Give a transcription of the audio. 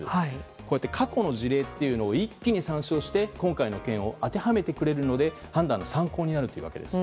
こうやって過去の事例を一気に参照して今回の件を当てはめてくれるので判断の参考になるというわけです。